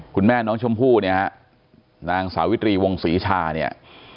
คุณแม่น้องชมพู่เนี่ยฮะนางสาวิตรีวงศรีชาเนี่ย